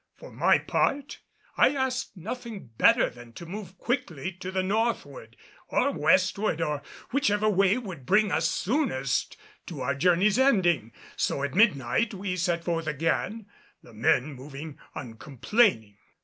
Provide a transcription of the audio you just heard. For my part I asked nothing better than to move quickly, to the northward, or westward or which ever way would bring us soonest to our journey's ending. So, at midnight we set forth again, the men moving uncomplaining.